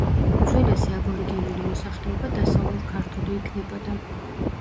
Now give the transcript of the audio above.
უძველესი აბორიგენული მოსახლეობა დასავლურ-ქართული იქნებოდა.